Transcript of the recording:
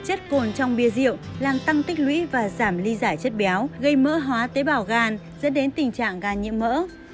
chất cồn trong bia rượu làm tăng tích lũy và giảm ly giải chất béo gây mỡ hóa tế bào gan dẫn đến tình trạng gan nhiễm mỡ